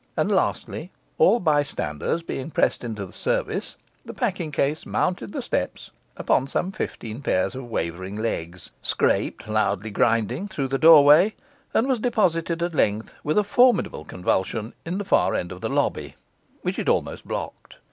And lastly, all bystanders being pressed into the service, the packing case mounted the steps upon some fifteen pairs of wavering legs scraped, loudly grinding, through the doorway and was deposited at length, with a formidable convulsion, in the far end of the lobby, which it almost blocked.